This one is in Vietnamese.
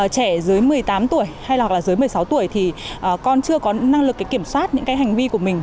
trẻ dưới một mươi tám tuổi hay dưới một mươi sáu tuổi thì con chưa có năng lực kiểm soát những hành vi của mình